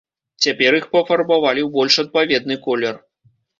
Цяпер іх пафарбавалі ў больш адпаведны колер.